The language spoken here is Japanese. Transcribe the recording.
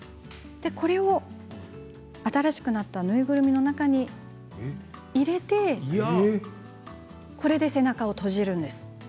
これを新しくなったぬいぐるみの中に入れて背中を閉じます。